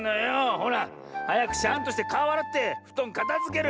ほらはやくシャンとしてかおあらってふとんかたづける！